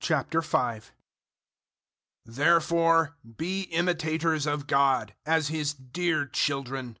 005:001 Therefore be imitators of God, as His dear children.